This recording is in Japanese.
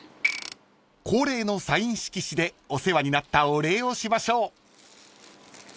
［恒例のサイン色紙でお世話になったお礼をしましょう］